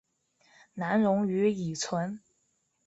难溶于乙醇。